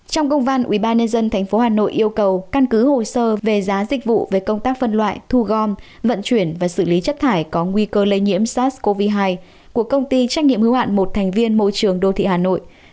trong công văn ubnd tp hà nội yêu cầu căn cứ hồ sơ về giá dịch vụ về công tác phân loại thu gom vận chuyển và xử lý chất thải có nguy cơ lây nhiễm sars cov hai của công ty trách nhiệm hữu hạn một thành viên môi trường đô thị hà nội